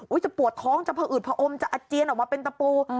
จะปวดท้องจะผอืดผอมจะอาเจียนออกมาเป็นตะปู